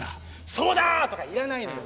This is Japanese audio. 「そうだー！」とかいらないのよ。